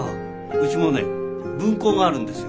うちもね分校があるんですよ